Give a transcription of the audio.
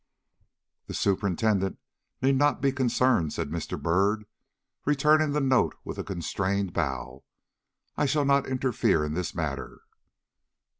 . "The superintendent need not be concerned," said Mr. Byrd, returning the note with a constrained bow. "I shall not interfere in this matter."